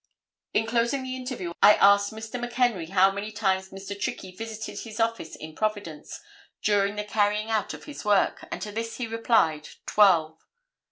In closing the interview I asked Mr. McHenry how many times Mr. Trickey visited his office in Providence during the carrying out of this work, and to this he replied, "Twelve."